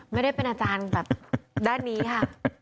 ไม่ได้เป็นอาจารย์แบบด้านนี้ค่ะ